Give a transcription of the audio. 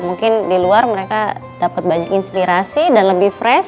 mungkin di luar mereka dapat banyak inspirasi dan lebih fresh